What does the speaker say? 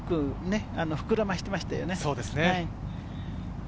膨らませましたよね。